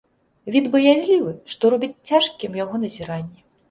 Від баязлівы, што робіць цяжкімі яго назіранні.